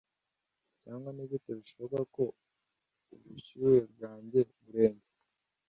cyangwa nigute bishoboka ko ubushyuhe bwanjye burenze